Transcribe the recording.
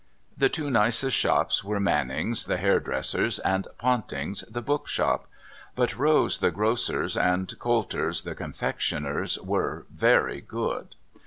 The two nicest shops were Mannings' the hairdressers and Ponting's the book shop, but Rose the grocer's, and Coulter's the confectioner's were very good.